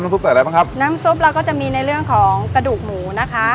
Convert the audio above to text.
ซุปใส่อะไรบ้างครับน้ำซุปเราก็จะมีในเรื่องของกระดูกหมูนะคะ